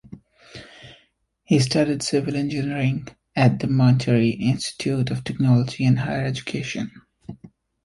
He studied civil engineering at the Monterrey Institute of Technology and Higher Education.